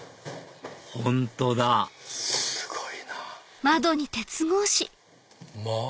本当だすごいなぁ。